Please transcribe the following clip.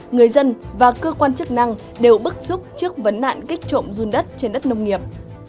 người dân và cơ quan chức năng đều bức xúc trước vấn nạn kích trộm run đất trên đất nông nghiệp